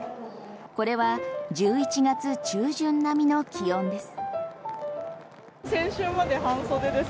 これは１１月中旬並みの気温です。